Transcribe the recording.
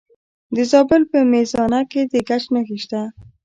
د زابل په میزانه کې د ګچ نښې شته.